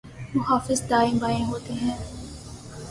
محافظ دائیں بائیں ہوتے ہیں۔